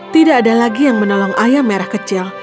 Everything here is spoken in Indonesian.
tidak ada lagi yang menolong ayam merah kecil